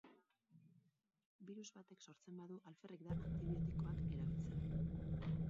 Birus batek sortzen badu alferrik da antibiotikoak erabiltzea.